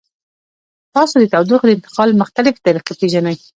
تاسو د تودوخې د انتقال مختلفې طریقې پیژنئ؟